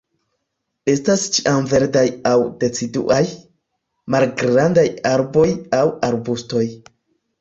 Estas ĉiamverdaj aŭ deciduaj, malgrandaj arboj aŭ arbustoj.